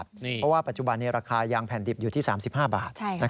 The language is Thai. เพราะว่าปัจจุบันราคายางแผ่นดิบอยู่ที่๓๕บาท